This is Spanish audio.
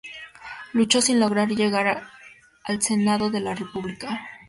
Lucho sin lograr llegar al Senado de la República.